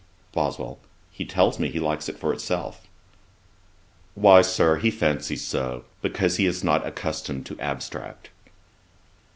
BOSWELL. 'He tells me he likes it for itself.' 'Why, Sir, he fancies so, because he is not accustomed to abstract.'